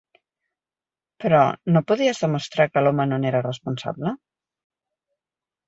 Però no podies demostrar que l'home no n'era responsable?